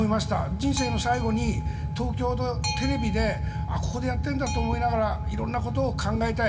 人生の最後に東京のテレビでここでやってるんだと思いながら色んなことを考えたい。